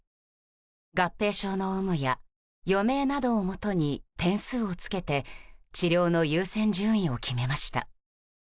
合併症の有無や余命などをもとに点数をつけて治療の優先順位を決めました。